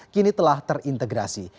kini telah terintegrasi